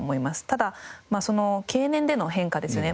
ただまあその経年での変化ですよね